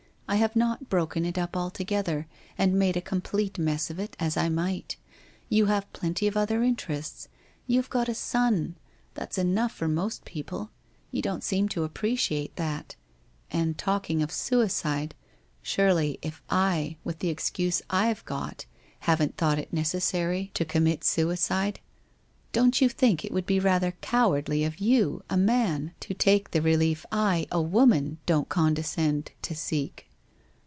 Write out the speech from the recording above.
I have not broken it up altogether and made a complete mess of it as I might, You have plenty of other interests. You have got a son. That's enough for most people. You don't seem to appreciate that. And talking of suicide, surely if I, with the excuse I've got, haven't thought it necessary to commit 24 370 WHITE ROSE OF WEARY LEAF suicide, don't you think it would be rather cowardly of you, a man, to take the relief I, a woman, don't conde scend to seek